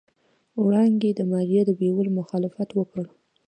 وړانګې د ماريا د بيولو مخالفت وکړ.